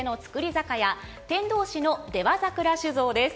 酒屋天童市の出羽桜酒造です。